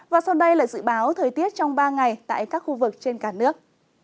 và sau đây là dự báo thời tiết trong ba ngày tại các khu vực trên cả nước